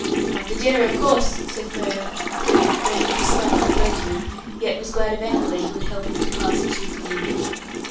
"Come to dinner, of course!" said Frere, who, though he disliked the clergyman, yet was glad of anybody who would help him to pass a cheerful evening.